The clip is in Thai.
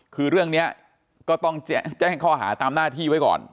คือเรื่องนี้ก็ต้องแจ้งข้อหาตามหน้าที่ไว้ก่อน